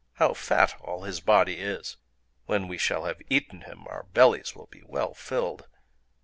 —how fat all his body is! When we shall have eaten him, our bellies will be well filled...